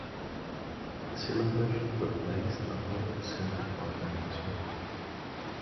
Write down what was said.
The cylinders were placed above the center driving axle.